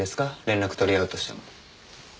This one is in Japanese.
連絡取り合うとしても。